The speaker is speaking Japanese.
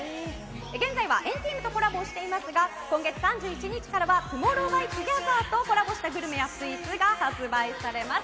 現在は、＆ＴＥＡＭとコラボをしていますが今月３１日からはＴＯＭＯＲＲＯＷＸＴＯＧＥＴＨＥＲとコラボしたグルメやスイーツが発売されます。